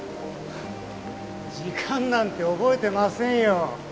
時間なんて覚えてませんよ。